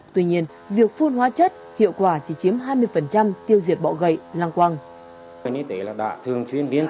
tuy nhiên việc phun hóa chất hiệu quả chỉ chiếm hai mươi tiêu diệt bọ gậy lăng quang